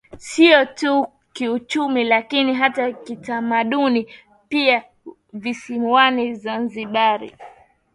Sio tu kiuchumi lakini hata kitamaduni pia visiwani Zanzibar